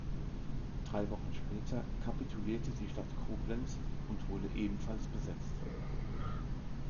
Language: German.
Drei Wochen später kapitulierte die Stadt Koblenz und wurde ebenfalls besetzt.